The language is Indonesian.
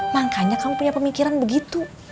makanya kamu punya pemikiran begitu